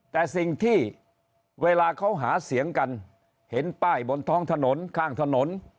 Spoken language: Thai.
แต่สิ่งที่เวลาเขาหาเสียงกันเห็นป้ายบนท้องถนนข้างถนน